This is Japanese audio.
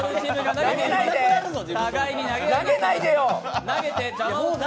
投げないでよ！